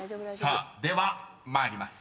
［では参ります。